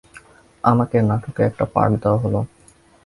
আমাকে নাটকে একটা পার্ট দেয়া হল।